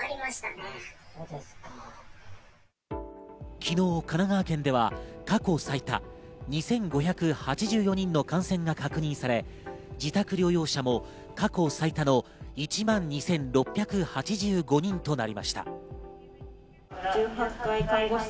昨日、神奈川県では過去最多２５８４人の感染が確認され、自宅療養者も過去最多の１万２６８５人となりました。